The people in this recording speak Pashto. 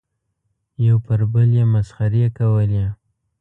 یو پر بل یې مسخرې کولې.